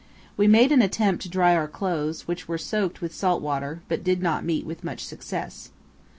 We made an attempt to dry our clothes, which were soaked with salt water, but did not meet with much success.